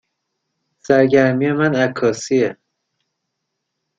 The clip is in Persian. سرگرمی من عکاسی است.